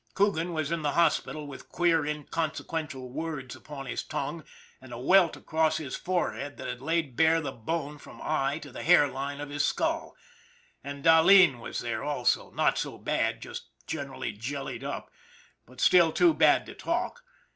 Coogan was in the hospital with queer, inconsequent words upon his tongue and a welt across his forehead that had laid bare the bone from eye to the hair line of his skull ; and Dahleen was there also, not so bad, just generally jellied up, but still too bad to talk.